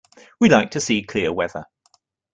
We like to see clear weather.